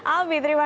albi terima kasih